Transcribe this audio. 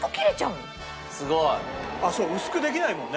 すごい！薄くできないもんね。